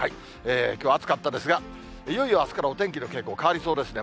きょう暑かったですが、いよいよあすからお天気の傾向変わりそうですね。